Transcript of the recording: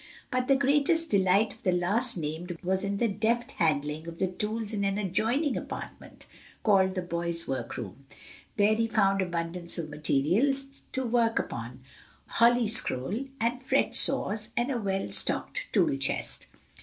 But the greatest delight of the last named was in the deft handling of the tools in an adjoining apartment, called the boys' work room. There he found abundance of material to work upon, holly scroll and fret saws, and a well stocked tool chest.